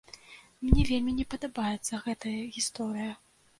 Мне вельмі не падабаецца гэтая гісторыя.